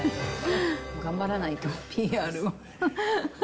頑張らないと、ＰＲを。